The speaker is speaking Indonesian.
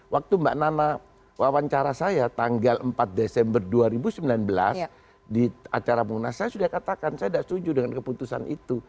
waktu mbak nana wawancara saya tanggal empat desember dua ribu sembilan belas di acara munas saya sudah katakan saya tidak setuju dengan keputusan itu